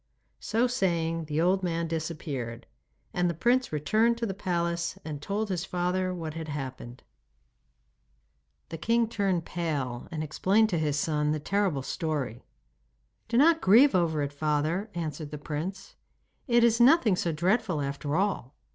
So saying the old man disappeared, and the prince returned to the palace and told his father what had happened. The king turned pale and explained to his son the terrible story. 'Do not grieve over it, father,' answered the prince. 'It is nothing so dreadful after all!